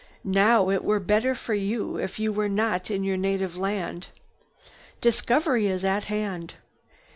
"Now it were better for you if you were not in your native land. Discovery is at hand.